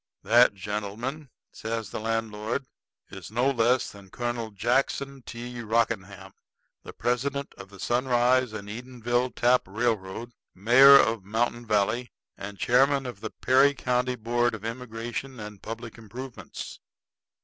"That, gentlemen," says the landlord, "is no less than Colonel Jackson T. Rockingham, the president of the Sunrise & Edenville Tap Railroad, mayor of Mountain Valley, and chairman of the Perry County board of immigration and public improvements."